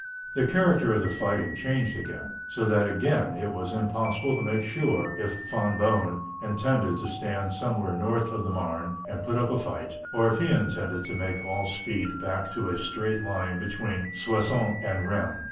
The character of the fighting changed again, so that again it was impossible to make sure if Von Boehm intended to stand somewhere north of the Marne and put up a fight, or if he intended to make all speed back to a straight line between Soissons and Rheims.